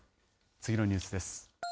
次のニュースです。